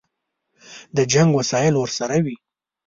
د جنګ وسایل ورسره وي.